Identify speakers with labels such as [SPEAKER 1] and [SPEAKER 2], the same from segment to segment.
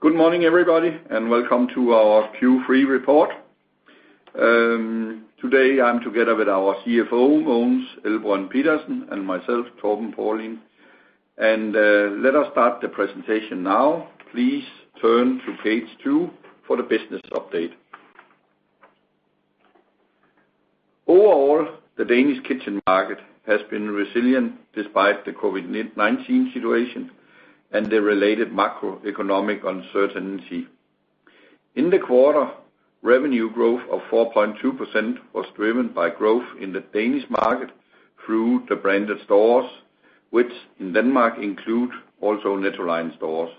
[SPEAKER 1] Good morning, everybody, and welcome to our Q3 report. Today I'm together with our CFO, Mogens Elbrønd Pedersen, and myself, Torben Paulin. Let us start the presentation now. Please turn to page two for the business update. Overall, the Danish kitchen market has been resilient despite the COVID-19 situation and the related macroeconomic uncertainty. In the quarter, revenue growth of 4.2% was driven by growth in the Danish market through the branded stores, which in Denmark include also Nettoline stores.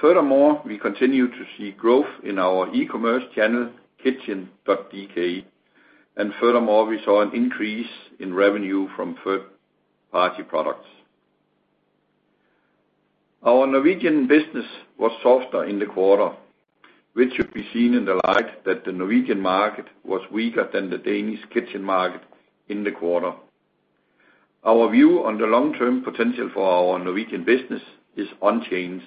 [SPEAKER 1] Furthermore, we continue to see growth in our e-commerce channel, Kitchn.dk, and furthermore, we saw an increase in revenue from third-party products. Our Norwegian business was softer in the quarter, which should be seen in the light that the Norwegian market was weaker than the Danish kitchen market in the quarter. Our view on the long-term potential for our Norwegian business is unchanged,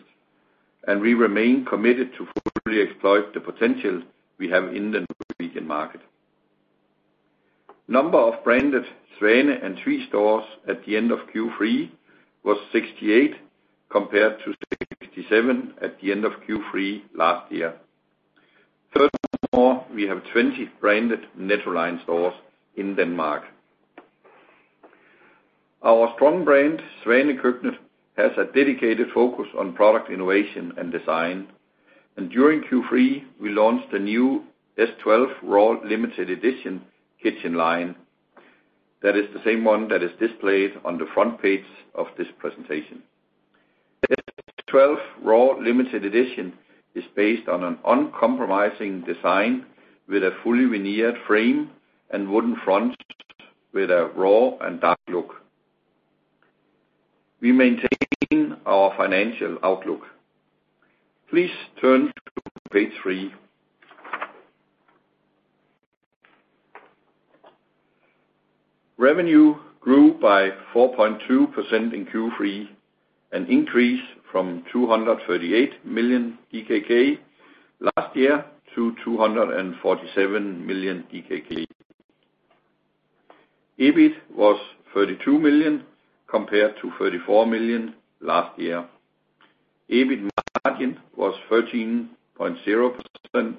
[SPEAKER 1] and we remain committed to fully exploit the potential we have in the Norwegian market. Number of branded Svane and Tvis stores at the end of Q3 was 68, compared to 67 at the end of Q3 last year. Furthermore, we have 20 branded Nettoline stores in Denmark. Our strong brand, Svane Køkkenet, has a dedicated focus on product innovation and design, and during Q3, we launched a new S12 RAW Limited Edition kitchen line. That is the same one that is displayed on the front page of this presentation. S12 RAW Limited Edition is based on an uncompromising design with a fully veneered frame and wooden fronts with a raw and dark look. We maintain our financial outlook. Please turn to page three. Revenue grew by 4.2% in Q3, an increase from 238 million DKK last year to 247 million DKK. EBIT was 32 million, compared to 34 million last year. EBIT margin was 13.0%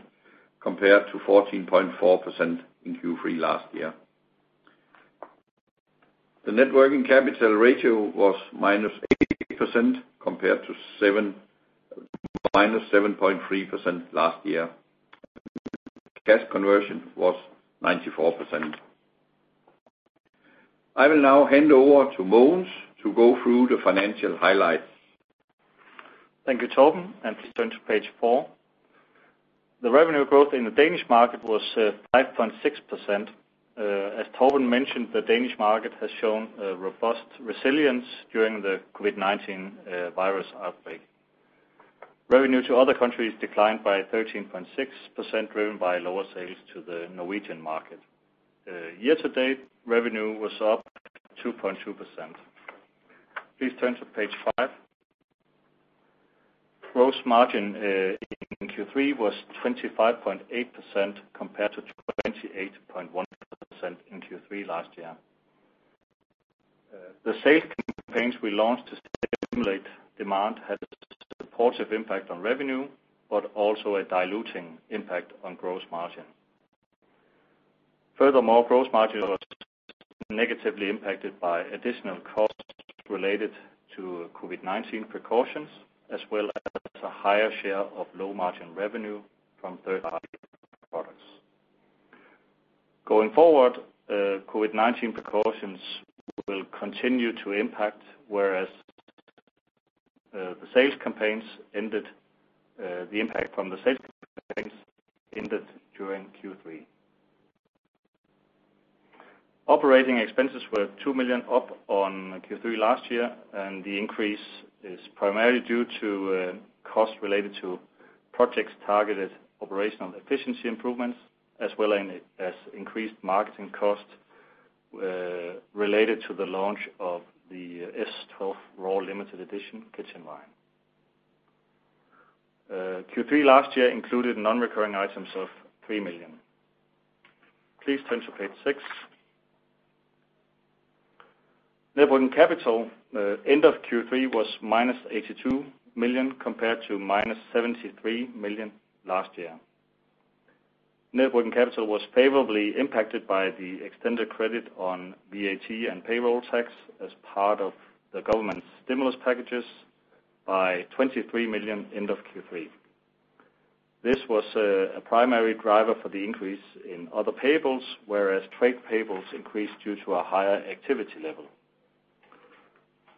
[SPEAKER 1] compared to 14.4% in Q3 last year. The net working capital ratio was -8% compared to -7.3% last year. Cash conversion was 94%. I will now hand over to Mogens to go through the financial highlights.
[SPEAKER 2] Thank you, Torben. Please turn to page four. The revenue growth in the Danish market was 5.6%. As Torben mentioned, the Danish market has shown a robust resilience during the COVID-19 virus outbreak. Revenue to other countries declined by 13.6%, driven by lower sales to the Norwegian market. Year-to-date revenue was up 2.2%. Please turn to page five. Gross margin in Q3 was 25.8% compared to 28.1% in Q3 last year. The sales campaigns we launched to stimulate demand had a supportive impact on revenue, but also a diluting impact on gross margin. Furthermore, gross margin was negatively impacted by additional costs related to COVID-19 precautions, as well as a higher share of low-margin revenue from third-party products. Going forward, COVID-19 precautions will continue to impact, whereas the impact from the sales campaigns ended during Q3. Operating expenses were 2 million up on Q3 last year. The increase is primarily due to costs related to projects targeted operational efficiency improvements, as well as increased marketing costs related to the launch of the S12 RAW Limited Edition kitchen line. Q3 last year included non-recurring items of 3 million. Please turn to page six. Net working capital end of Q3 was -82 million compared to -73 million last year. Net working capital was favorably impacted by the extended credit on VAT and payroll tax as part of the government's stimulus packages by 23 million end of Q3. This was a primary driver for the increase in other payables, whereas trade payables increased due to a higher activity level.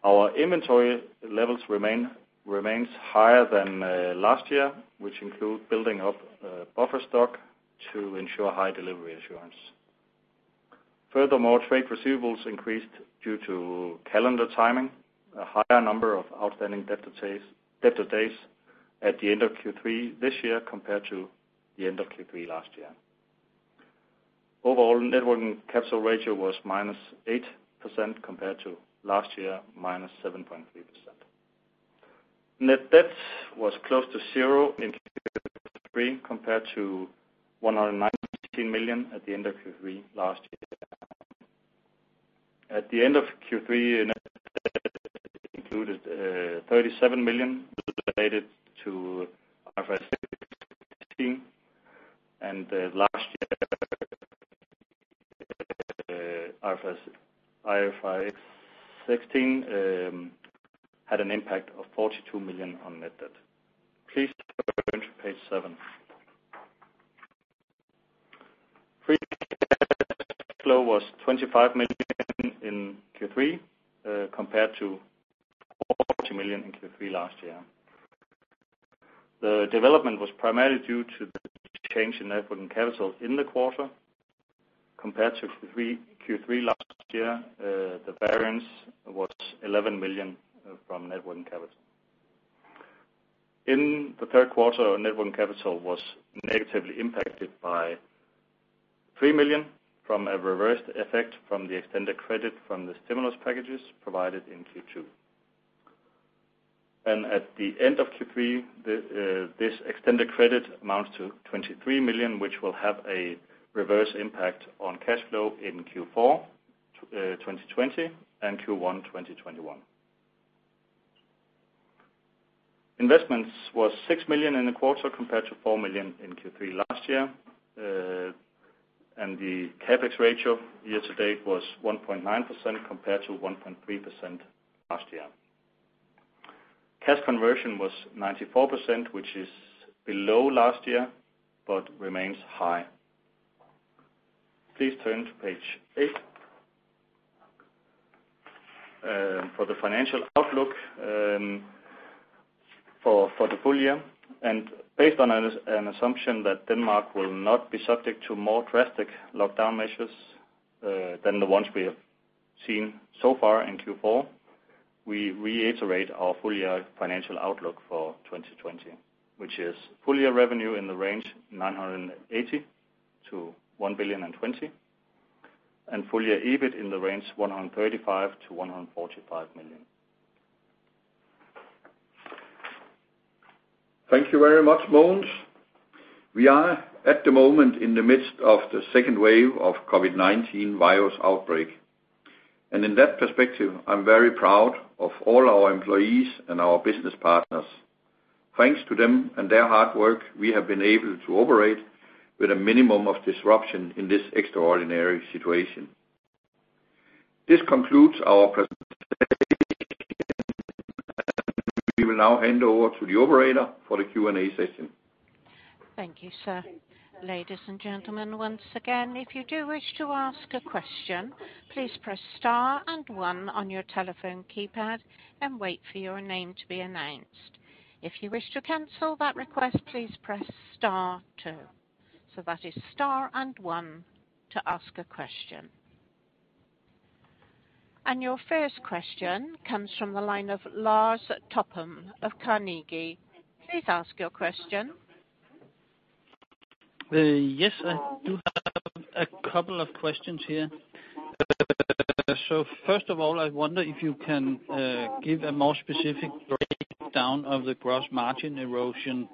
[SPEAKER 2] Our inventory levels remains higher than last year, which include building up buffer stock to ensure high delivery assurance. Furthermore, trade receivables increased due to calendar timing, a higher number of outstanding debtor days at the end of Q3 this year compared to the end of Q3 last year. Overall, net working capital ratio was -8% compared to last year, -7.3%. Net debt was close to zero in Q3 compared to 119 million at the end of Q3 last year. At the end of Q3, net included 37 million related to IFRS and last year IFRS 16 had an impact of 42 million on net debt. Please turn to page seven. Free cash flow was 25 million in Q3, compared to 40 million in Q3 last year. The development was primarily due to the change in net working capital in the quarter compared to Q3 last year, the variance was 11 million from net working capital. In the third quarter, our net working capital was negatively impacted by 3 million from a reversed effect from the extended credit from the stimulus packages provided in Q2. At the end of Q3, this extended credit amounts to 23 million, which will have a reverse impact on cash flow in Q4 2020 and Q1 2021. Investments was 6 million in the quarter compared to 4 million in Q3 last year. The CapEx ratio year to date was 1.9% compared to 1.3% last year. Cash conversion was 94%, which is below last year, but remains high. Please turn to page eight. For the financial outlook for the full year and based on an assumption that Denmark will not be subject to more drastic lockdown measures than the ones we have seen so far in Q4, we reiterate our full-year financial outlook for 2020, which is full-year revenue in the range 980 million-1 billion and 20 million. Full-year EBIT in the range 135 million-145 million.
[SPEAKER 1] Thank you very much, Mogens. We are at the moment in the midst of the second wave of COVID-19 virus outbreak. In that perspective, I'm very proud of all our employees and our business partners. Thanks to them and their hard work, we have been able to operate with a minimum of disruption in this extraordinary situation. This concludes our presentation. We will now hand over to the operator for the Q&A session.
[SPEAKER 3] Thank you, sir. Ladies and gentlemen, once again, if you do wish to ask a question, please press star and one on your telephone keypad and wait for your name to be announced. If you wish to cancel that request, please press star two. That is star and one to ask a question. Your first question comes from the line of Lars Topholm of Carnegie. Please ask your question.
[SPEAKER 4] I do have a couple of questions here. First of all, I wonder if you can give a more specific breakdown of the gross margin erosion.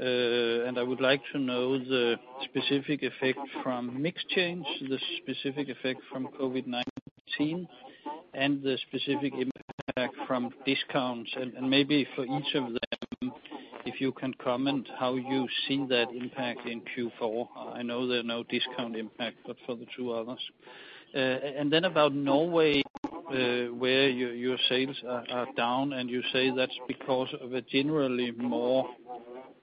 [SPEAKER 4] I would like to know the specific effect from mix change, the specific effect from COVID-19, and the specific impact from discounts. Maybe for each of them, if you can comment how you see that impact in Q4. I know there are no discount impact, but for the two others. About Norway, where your sales are down and you say that's because of a generally more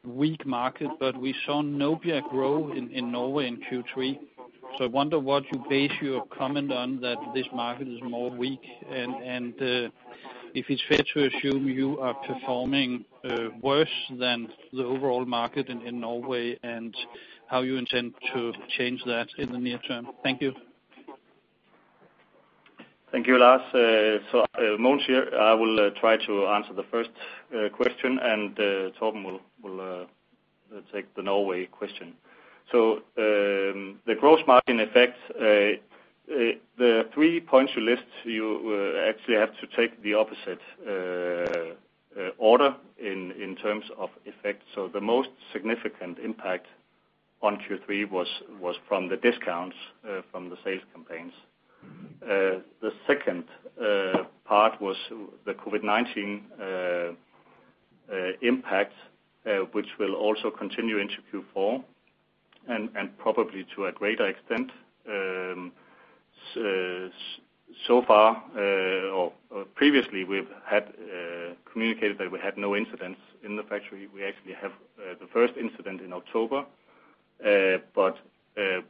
[SPEAKER 4] weak market, but we saw Nobia grow in Norway in Q3. I wonder what you base your comment on that this market is more weak and if it's fair to assume you are performing worse than the overall market in Norway, and how you intend to change that in the near term? Thank you.
[SPEAKER 2] Thank you, Lars. Mogens here. I will try to answer the first question, and Torben will take the Norway question. The gross margin effects, the three points you list, you actually have to take the opposite order in terms of effect. The most significant impact on Q3 was from the discounts from the sales campaigns. The second part was the COVID-19 impact, which will also continue into Q4 and probably to a greater extent. Far or previously we've communicated that we had no incidents in the factory. We actually have the first incident in October.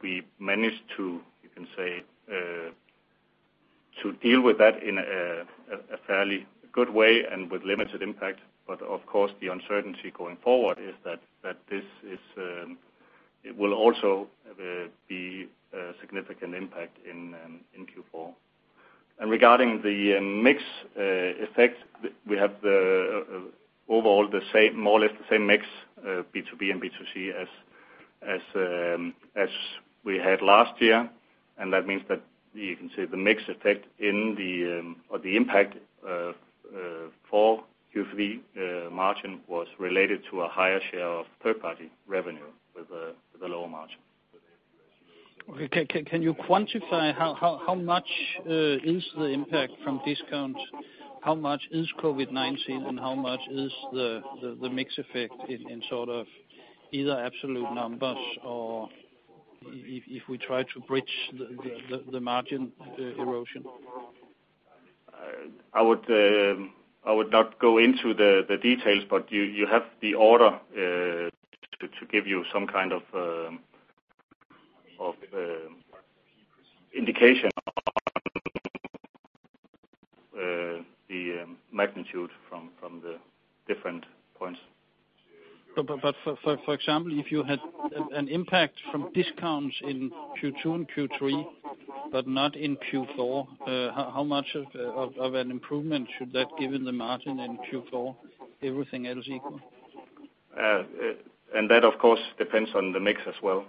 [SPEAKER 2] We managed to, you can say, to deal with that in a fairly good way and with limited impact. Of course, the uncertainty going forward is that this will also be a significant impact in Q4. Regarding the mix effect, we have overall more or less the same mix B2B and B2C as we had last year. That means that you can see the mix effect or the impact for Q3 margin was related to a higher share of third-party revenue with a lower margin.
[SPEAKER 4] Can you quantify how much is the impact from discounts? How much is COVID-19 and how much is the mix effect in either absolute numbers or if we try to bridge the margin erosion?
[SPEAKER 2] I would not go into the details, but you have the order to give you some kind of indication on the magnitude from the different points.
[SPEAKER 4] For example, if you had an impact from discounts in Q2 and Q3, but not in Q4, how much of an improvement should that give in the margin in Q4, everything else equal?
[SPEAKER 2] That, of course, depends on the mix as well.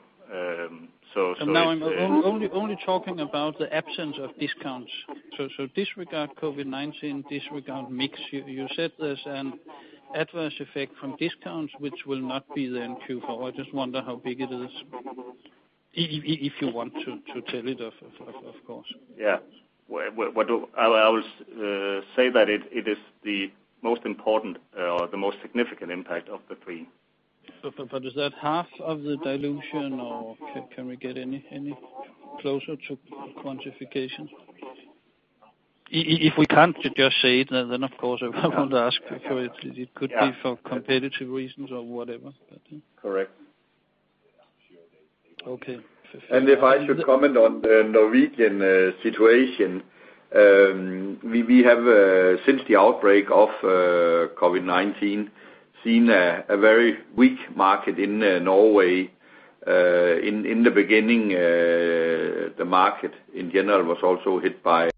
[SPEAKER 4] No, I'm only talking about the absence of discounts. Disregard COVID-19, disregard mix. You said there's an adverse effect from discounts which will not be there in Q4. I just wonder how big it is. If you want to tell it, of course.
[SPEAKER 2] Yeah. I will say that it is the most important or the most significant impact of the three.
[SPEAKER 4] Is that half of the dilution, or can we get any closer to quantification? If we can't, just say it, then of course I won't ask for it. It could be for competitive reasons or whatever.
[SPEAKER 2] Correct.
[SPEAKER 4] Okay.
[SPEAKER 1] If I should comment on the Norwegian situation, we have, since the outbreak of COVID-19, seen a very weak market in Norway. In the beginning, the market in general was also hit by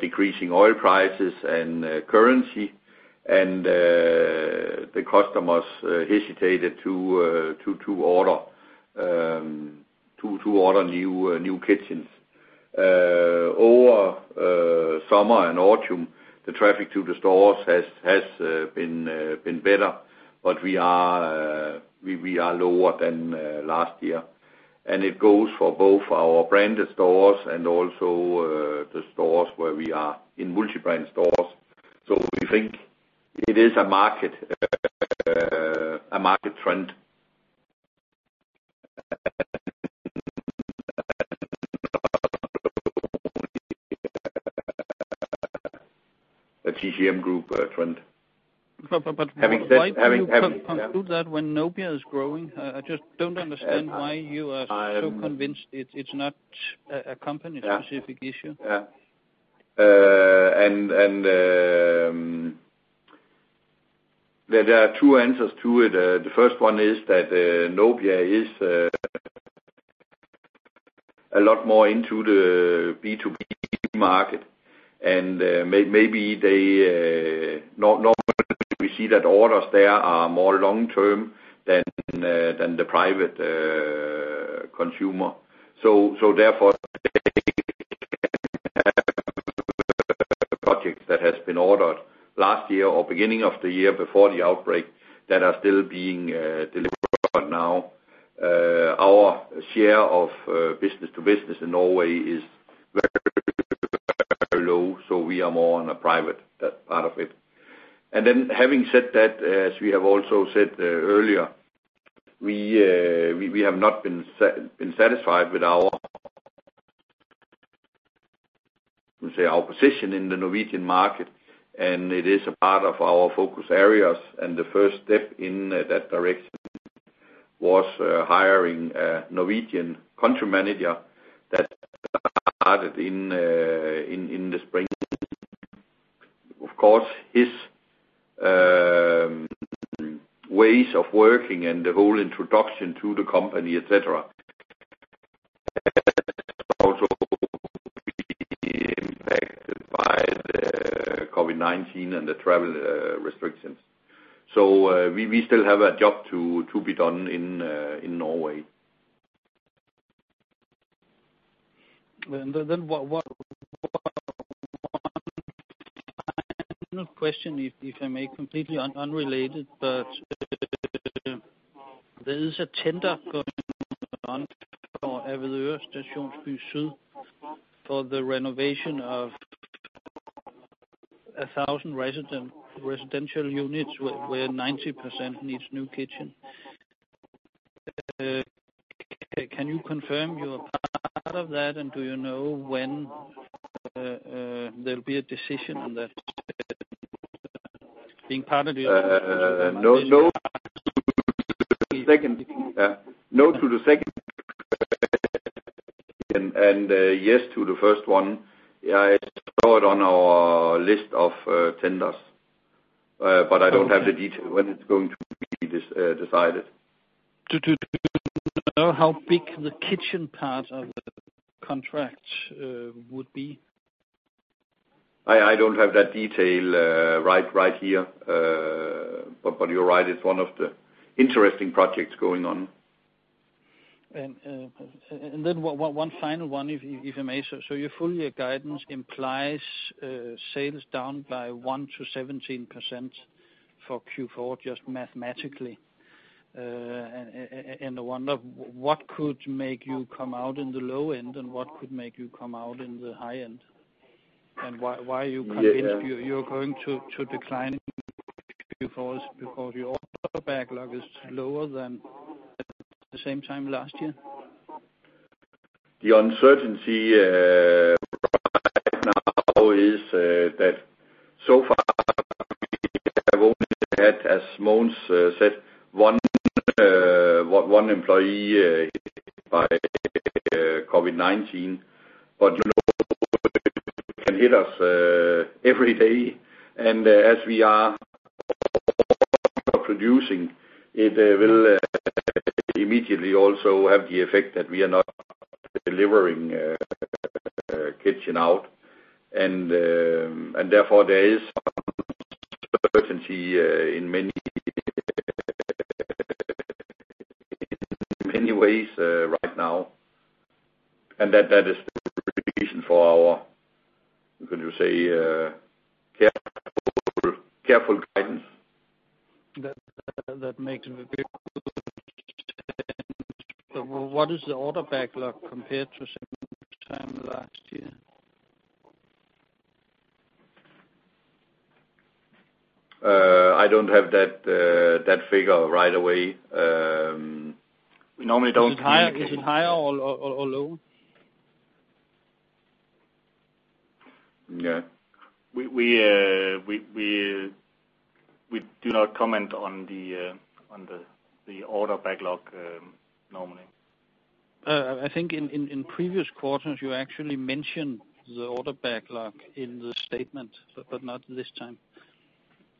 [SPEAKER 1] decreasing oil prices and currency, and the customers hesitated to order new kitchens. Over summer and autumn, the traffic to the stores has been better, but we are lower than last year. It goes for both our branded stores and also the stores where we are in multi-brand stores. We think it is a market trend. A TCM Group reference.
[SPEAKER 4] Why do you conclude that when Nobia is growing? I just don't understand why you are so convinced it's not a company-specific issue.
[SPEAKER 1] Yeah. There are two answers to it. The first one is that Nobia is a lot more into the B2B market and normally we see that orders there are more long-term than the private consumer. Therefore, they can have projects that have been ordered last year or beginning of the year before the outbreak that are still being delivered right now. Our share of business to business in Norway is very low, so we are more on a private part of it. Having said that, as we have also said earlier, we have not been satisfied with our position in the Norwegian market, and it is a part of our focus areas, and the first step in that direction was hiring a Norwegian country manager that started in the spring. Of course, his ways of working and the whole introduction to the company, et cetera, has also been impacted by the COVID-19 and the travel restrictions. We still have a job to be done in Norway.
[SPEAKER 4] One final question, if I may. Completely unrelated, there is a tender going on for Avedøre Stationsby Syd for the renovation of 1,000 residential units, where 90% needs new kitchen. Can you confirm you're a part of that, do you know when there'll be a decision on that?
[SPEAKER 1] No to the second, yes to the first one. It's stored on our list of tenders. I don't have the detail when it's going to be decided.
[SPEAKER 4] Do you know how big the kitchen part of the contract would be?
[SPEAKER 1] I don't have that detail right here. You're right, it's one of the interesting projects going on.
[SPEAKER 4] One final one, if I may. Your full year guidance implies sales down by 1%-17% for Q4, just mathematically. I wonder what could make you come out in the low end, and what could make you come out in the high end? Why you're going to decline in Q4 because your order backlog is lower than the same time last year?
[SPEAKER 1] The uncertainty right now is that so far we have only had, as Mogens said, one employee hit by COVID-19. It can hit us every day, and as we are producing, it will immediately also have the effect that we are not delivering kitchen out. Therefore, there is some uncertainty in many ways right now. That is the reason for our, could you say, careful guidance.
[SPEAKER 4] That makes it a bit What is the order backlog compared to the same time last year?
[SPEAKER 1] I don't have that figure right away.
[SPEAKER 4] Is it higher or low?
[SPEAKER 1] Yeah. We do not comment on the order backlog normally.
[SPEAKER 4] I think in previous quarters you actually mentioned the order backlog in the statement, but not this time.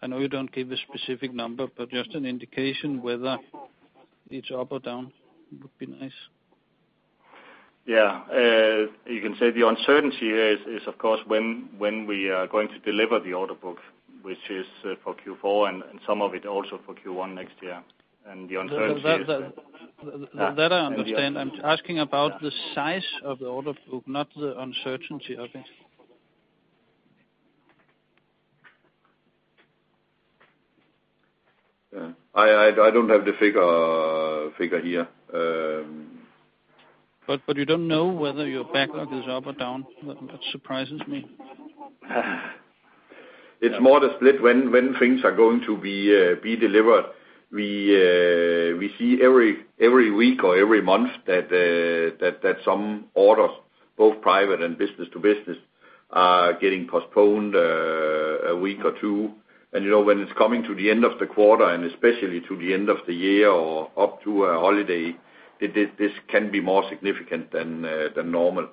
[SPEAKER 4] I know you don't give a specific number, but just an indication whether it's up or down would be nice.
[SPEAKER 1] Yeah. You can say the uncertainty here is of course when we are going to deliver the order book, which is for Q4 and some of it also for Q1 next year. The uncertainty is.
[SPEAKER 4] That I understand. I'm asking about the size of the order book, not the uncertainty of it.
[SPEAKER 1] Yeah. I don't have the figure here.
[SPEAKER 4] You don't know whether your backlog is up or down? That surprises me.
[SPEAKER 1] It's more the split when things are going to be delivered. We see every week or every month that some orders, both private and business to business, are getting postponed a week or two. When it's coming to the end of the quarter, and especially to the end of the year or up to a holiday, this can be more significant than normal.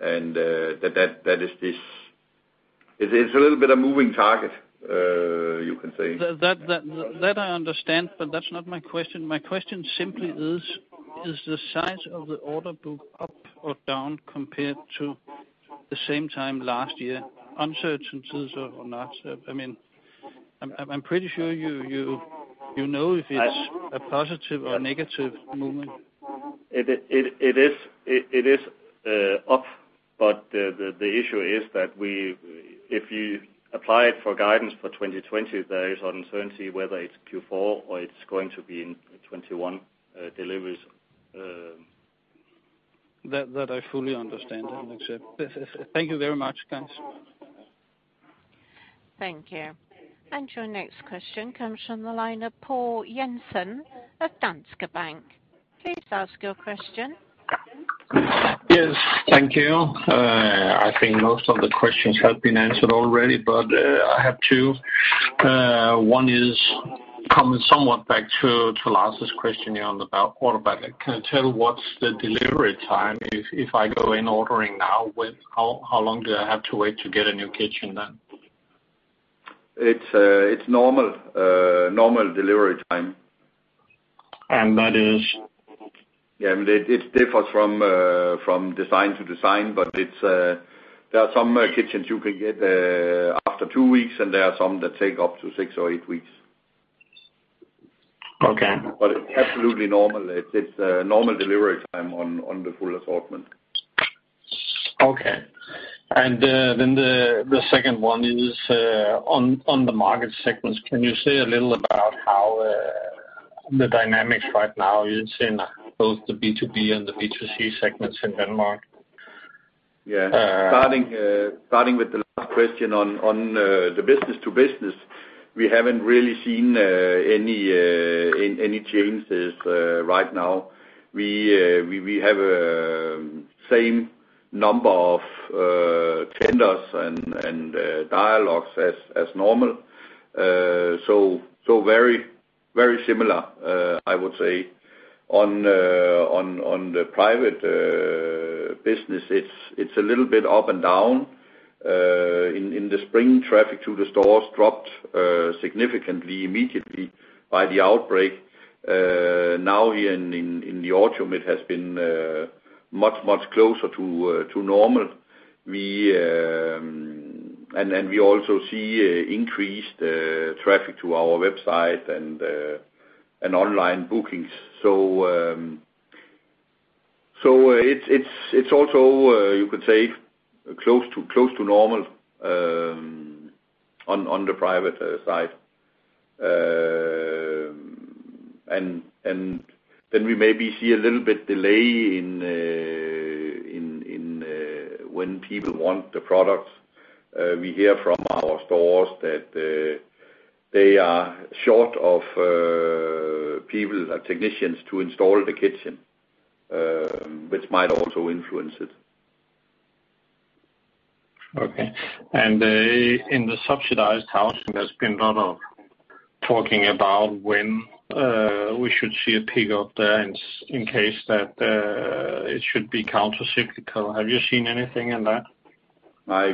[SPEAKER 1] It's a little bit a moving target, you can say.
[SPEAKER 4] That I understand, but that's not my question. My question simply is the size of the order book up or down compared to the same time last year? Uncertainties or not. I'm pretty sure you know if it's a positive or a negative movement.
[SPEAKER 1] It is up, but the issue is that if you apply it for guidance for 2020, there is uncertainty whether it's Q4 or it's going to be in 2021 deliveries.
[SPEAKER 4] That I fully understand and accept. Thank you very much. Thanks.
[SPEAKER 3] Thank you. Your next question comes from the line of Poul Jensen of Danske Bank. Please ask your question.
[SPEAKER 5] Yes. Thank you. I think most of the questions have been answered already, but I have two. One is coming somewhat back to Lars' question on the order backlog. Can you tell what's the delivery time if I go in ordering now? How long do I have to wait to get a new kitchen then?
[SPEAKER 1] It's normal delivery time.
[SPEAKER 5] That is?
[SPEAKER 1] Yeah. It differs from design to design, but there are some kitchens you can get after two weeks, and there are some that take up to six or eight weeks.
[SPEAKER 5] Okay.
[SPEAKER 1] It's absolutely normal. It's a normal delivery time on the full assortment.
[SPEAKER 5] Okay. Then the second one is on the market segments. Can you say a little about how the dynamics right now is in both the B2B and the B2C segments in Denmark?
[SPEAKER 1] Yeah. Starting with the last question on the B2B, we haven't really seen any changes right now. We have same number of tenders and dialogues as normal. Very similar, I would say. On the private business, it's a little bit up and down. In the spring, traffic to the stores dropped significantly immediately by the outbreak. Now here in the autumn, it has been much closer to normal. We also see increased traffic to our website and online bookings. It's also, you could say, close to normal on the private side. We maybe see a little bit delay in when people want the products. We hear from our stores that they are short of people, technicians to install the kitchen, which might also influence it.
[SPEAKER 5] Okay. In the subsidized housing, there's been a lot of talking about when we should see a pickup there in case that it should be counter-cyclical. Have you seen anything in that?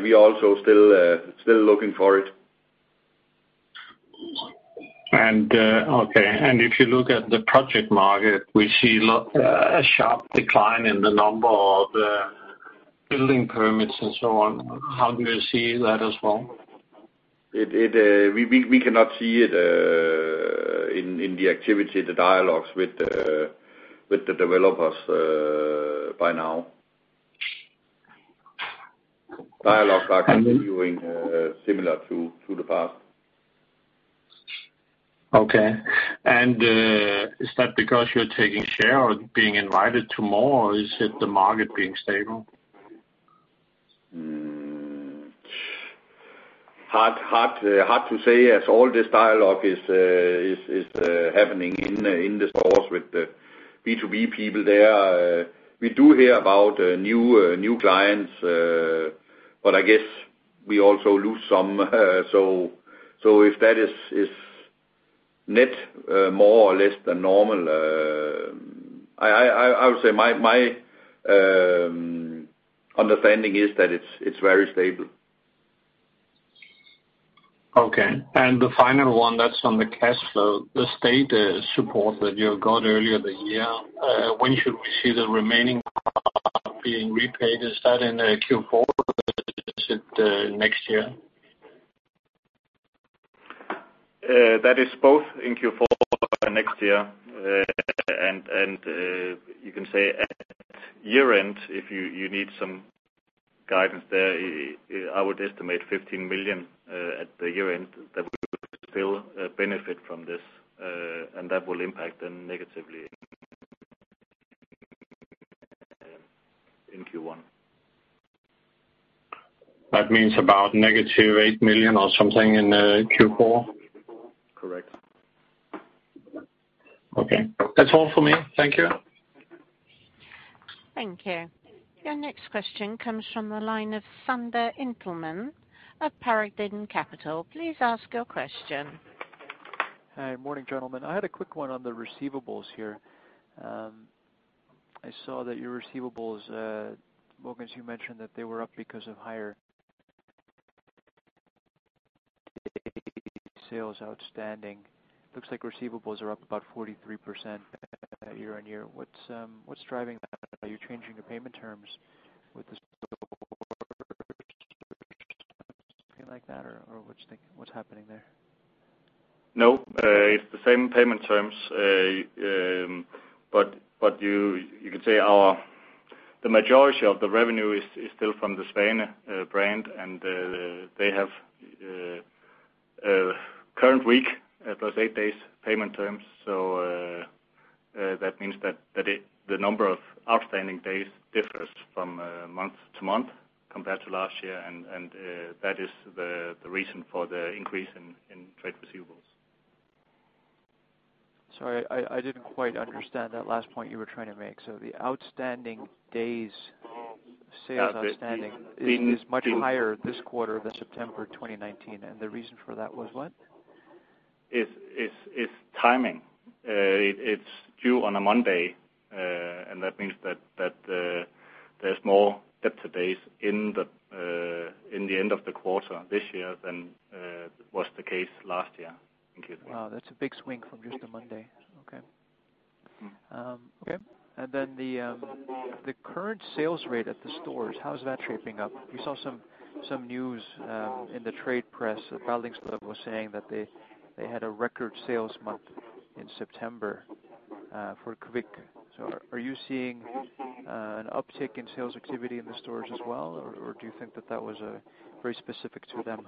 [SPEAKER 1] We also still are looking for it.
[SPEAKER 5] Okay. If you look at the project market, we see a sharp decline in the number of building permits and so on. How do you see that as well?
[SPEAKER 1] We cannot see it in the activity, the dialogues with the developers by now. Dialogues are continuing similar to the past.
[SPEAKER 5] Okay. Is that because you're taking share or being invited to more, or is it the market being stable?
[SPEAKER 1] Hard to say, as all this dialogue is happening in the stores with the B2B people there. We do hear about new clients, but I guess we also lose some. If that is net more or less than normal, I would say my understanding is that it's very stable.
[SPEAKER 5] Okay. The final one, that's on the cash flow. The state support that you got earlier in the year, when should we see the remaining part being repaid? Is that in Q4 or is it next year?
[SPEAKER 2] That is both in Q4 and next year. You can say at year-end, if you need some guidance there, I would estimate 15 million at the year-end that we will still benefit from this, and that will impact them negatively in Q1.
[SPEAKER 5] That means about negative 8 million or something in Q4?
[SPEAKER 2] Correct.
[SPEAKER 5] Okay. That's all for me. Thank you.
[SPEAKER 3] Thank you. Your next question comes from the line of Sander Intman of Paragon Capital. Please ask your question.
[SPEAKER 6] Hi. Morning, gentlemen. I had a quick one on the receivables here. I saw that your receivables, Mogens, you mentioned that they were up because of higher sales outstanding. Looks like receivables are up about 43% year-on-year. What's driving that? Are you changing your payment terms with the stores? Something like that, or what's happening there?
[SPEAKER 2] No. It's the same payment terms. You could say the majority of the revenue is still from the Svane brand, and they have a current week plus eight days payment terms. That means that the number of outstanding days differs from month to month compared to last year, and that is the reason for the increase in trade receivables.
[SPEAKER 6] Sorry, I didn't quite understand that last point you were trying to make. The outstanding days, sales outstanding is much higher this quarter than September 2019, the reason for that was what?
[SPEAKER 2] It's timing. It's due on a Monday, and that means that there's more debtor days in the end of the quarter this year than was the case last year in Q4.
[SPEAKER 6] Wow, that's a big swing from just a Monday. Okay. The current sales rate at the stores, how is that shaping up? We saw some news in the trade press. Jens-Peter Poulsen was saying that they had a record sales month in September for Kvik. Are you seeing an uptick in sales activity in the stores as well? Or do you think that that was very specific to them?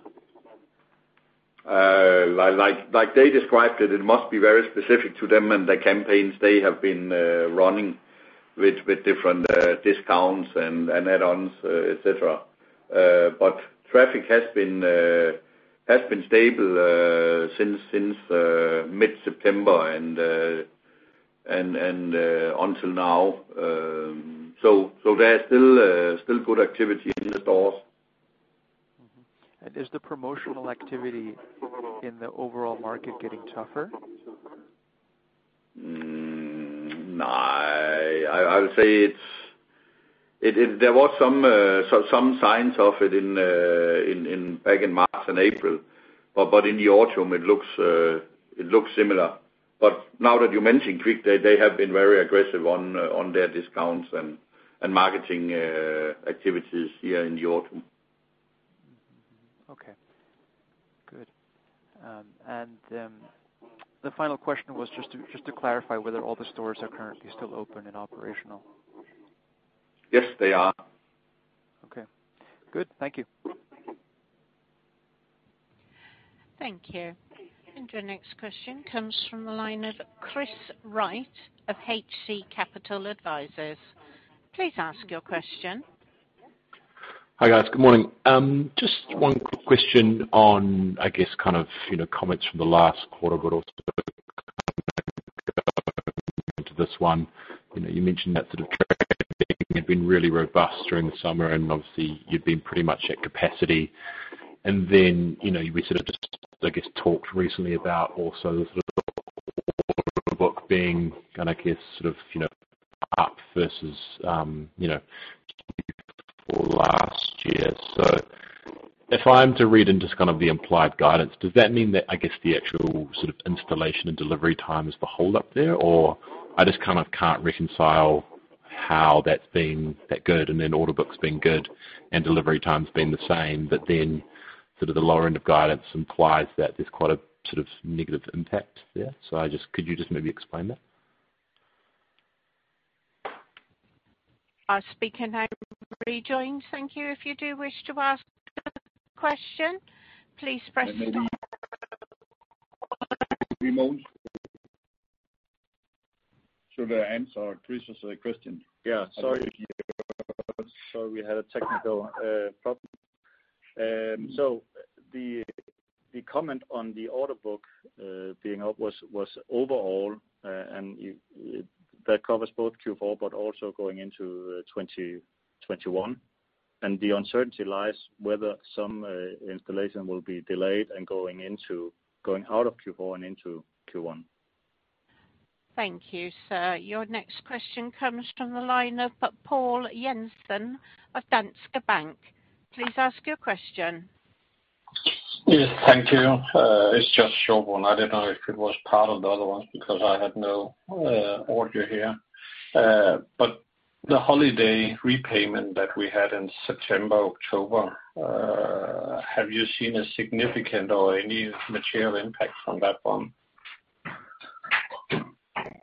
[SPEAKER 2] Like they described it must be very specific to them and the campaigns they have been running with different discounts and add-ons, et cetera. Traffic has been stable since mid-September and until now. There's still good activity in the stores.
[SPEAKER 6] Is the promotional activity in the overall market getting tougher?
[SPEAKER 2] No. I would say there was some signs of it back in March and April, but in the autumn it looks similar. Now that you mention Kvik, they have been very aggressive on their discounts and marketing activities here in the autumn.
[SPEAKER 6] Okay. Good. The final question was just to clarify whether all the stores are currently still open and operational.
[SPEAKER 1] Yes, they are.
[SPEAKER 6] Okay. Good. Thank you.
[SPEAKER 3] Thank you. Your next question comes from the line of Chris Wright of HC Capital Advisors. Please ask your question.
[SPEAKER 7] Hi, guys. Good morning. Just one quick question on comments from the last quarter, but also to this one. You mentioned that sort of had been really robust during the summer, and obviously you've been pretty much at capacity. We sort of just, I guess, talked recently about also the sort of book being, I guess, sort of up versus Q4 last year. If I'm to read into kind of the implied guidance, does that mean that, I guess, the actual sort of installation and delivery time is the holdup there, or I just kind of can't reconcile how that's been that good and then order book's been good and delivery time's been the same, but then sort of the lower end of guidance implies that there's quite a sort of negative impact there. Could you just maybe explain that?
[SPEAKER 3] Our speaker has rejoined. Thank you. If you do wish to ask a question, please press star on your-
[SPEAKER 1] Should I answer Chris' question? Yeah, sorry. We had a technical problem. The comment on the order book being up was overall, and that covers both Q4 but also going into 2021. The uncertainty lies whether some installation will be delayed and going out of Q4 and into Q1.
[SPEAKER 3] Thank you, sir. Your next question comes from the line of Poul Jensen of Danske Bank. Please ask your question.
[SPEAKER 5] Yes. Thank you. It's just a short one. I didn't know if it was part of the other ones because I had no order here. The holiday repayment that we had in September, October, have you seen a significant or any material impact from that one?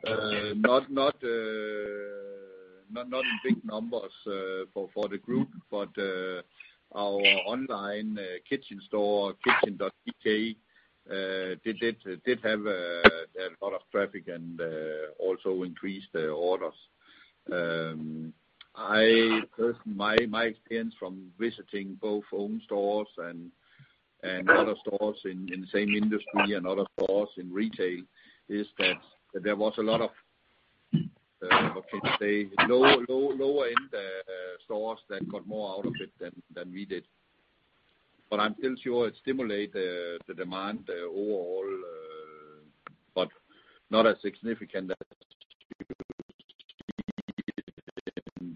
[SPEAKER 1] Not in big numbers for the group. Our online kitchen store, kitchn.dk, did have a lot of traffic and also increased orders. My experience from visiting both own stores and other stores in the same industry and other stores in retail is that there was a lot of, how can you say, lower-end stores that got more out of it than we did. I'm still sure it stimulate the demand overall, but not as significant as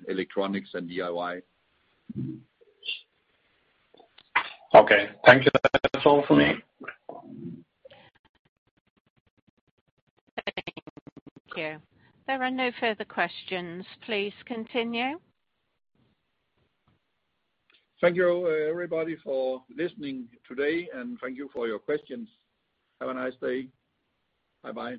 [SPEAKER 1] electronics and DIY.
[SPEAKER 5] Okay. Thank you. That's all for me.
[SPEAKER 3] Thank you. There are no further questions. Please continue.
[SPEAKER 2] Thank you, everybody, for listening today, and thank you for your questions. Have a nice day. Bye-bye.